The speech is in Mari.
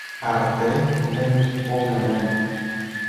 Артель ден погынен